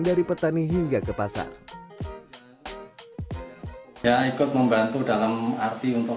dari petani hingga ke pasar yang ikut membantu dalam arti untuk